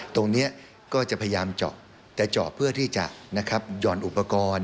ตรงนี้ก็จะพยายามเจาะแต่เจาะเพื่อที่จะหย่อนอุปกรณ์